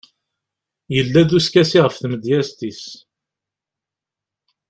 yella-d uskasi ɣef tmedyazt-is